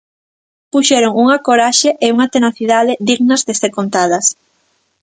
Puxeron unha coraxe e unha tenacidade dignas de ser contadas.